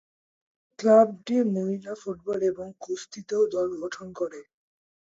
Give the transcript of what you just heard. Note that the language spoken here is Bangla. ক্লাবটি মহিলা ফুটবল এবং কুস্তিতেও দল গঠন করে।